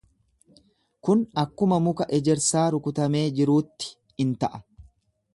Kun akkuma muka ejersaa rukutamee jiruutti in ta'a.